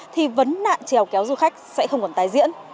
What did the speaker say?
thì vấn nạn trèo kéo du khách sẽ không còn tái diễn